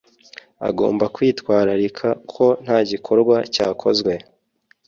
agomba kwitwararika ko ntagikorwa cyakozwe